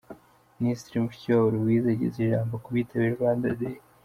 Minisitiri Mushikiwabo Louise ageza ijambo ku bitabiriye Rwanda Day.